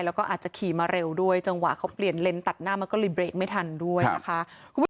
แล้วก็อาจจะขี่มาเร็วด้วยจังหวะเขาเปลี่ยนเลนส์ตัดหน้ามันก็เลยเบรกไม่ทันด้วยนะคะ